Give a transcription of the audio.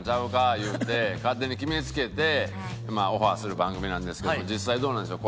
言うて勝手に決め付けてオファーする番組なんですけども実際どうなんでしょう？